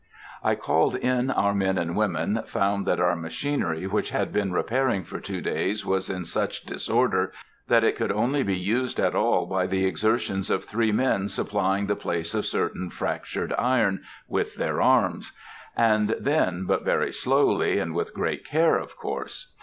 I called in our men and women, found that our machinery, which had been repairing for two days, was in such disorder that it could only be used at all by the exertions of three men supplying the place of certain fractured iron, with their arms; and then but very slowly, and with great care, of course.